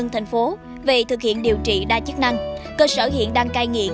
thành phố về thực hiện điều trị đa chức năng cơ sở hiện đang cai nghiện